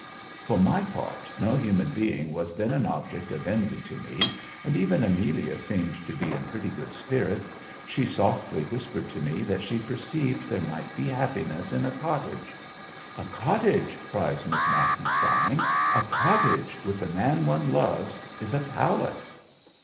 "For my own part, no human being was then an object of envy to me, and even Amelia seemed to be in pretty good spirits; she softly whispered to me that she perceived there might be happiness in a cottage." "A cottage!" cries Miss Matthews, sighing, "a cottage, with the man one loves, is a palace."